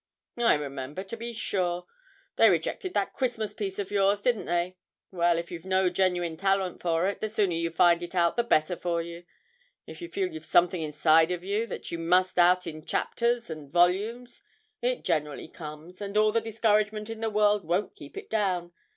'I remember, to be sure. They rejected that Christmas piece of yours, didn't they? Well, if you've no genuine talent for it, the sooner you find it out the better for you. If you feel you've something inside of you that must out in chapters and volumes, it generally comes, and all the discouragement in the world won't keep it down.